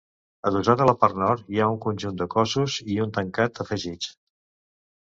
Adossat a la part nord hi ha un conjunt de cossos i un tancat afegits.